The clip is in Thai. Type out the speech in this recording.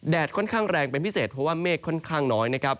ค่อนข้างแรงเป็นพิเศษเพราะว่าเมฆค่อนข้างน้อยนะครับ